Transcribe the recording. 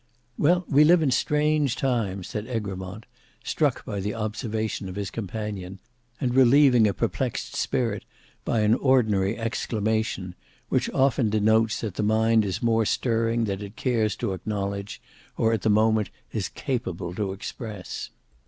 "Well, we live in strange times," said Egremont, struck by the observation of his companion, and relieving a perplexed spirit by an ordinary exclamation, which often denotes that the mind is more stirring than it cares to acknowledge, or at the moment is capable to express.